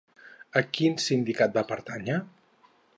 A quin sindicat va pertànyer?